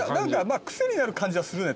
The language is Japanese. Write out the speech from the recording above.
癖になる感じはするね